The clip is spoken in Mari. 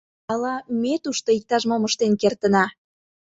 Ала ме тушто иктаж-мом ыштен кертына.